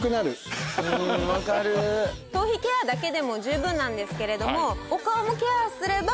頭皮ケアだけでも十分なんですけれども。